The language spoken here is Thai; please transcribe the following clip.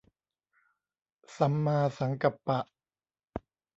สัมมาสังกัปปะ